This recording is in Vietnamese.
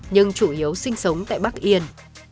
nhưng chủ yếu sinh sống tại bắc yên